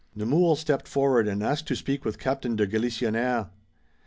Nemours stepped forward and asked to speak with Captain de Galisonnière.